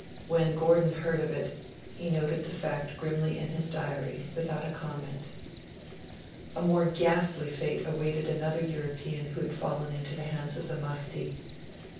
When Gordon heard of it, he noted the fact grimly in his diary, without a comment. A more ghastly fate awaited another European who had fallen into the hands of the Mahdi.